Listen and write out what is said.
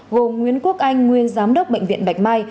gồm nguyễn quốc anh nguyên giám đốc bệnh viện bạch mai